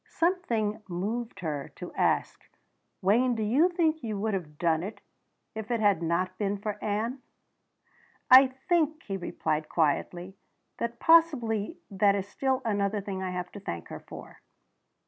Something moved her to ask: "Wayne, do you think you would have done it, if it had not been for Ann?" "I think," he replied quietly, "that possibly that is still another thing I have to thank her for."